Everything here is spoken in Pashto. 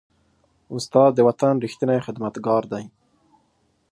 استاد د وطن ریښتینی خدمتګار دی.